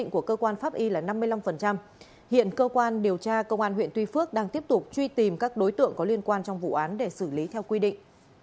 các công an huyện tuy phước đang tiếp tục truy tìm các đối tượng có liên quan trong vụ án để xử lý theo quy định